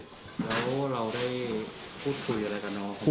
แล้วเราได้พูดคุยอะไรกับน้องเขาไหม